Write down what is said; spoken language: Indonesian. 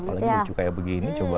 apalagi lucu kayak begini coba